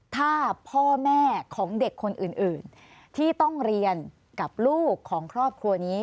ถ้าพ่อแม่ของเด็กคนอื่นที่ต้องเรียนกับลูกของครอบครัวนี้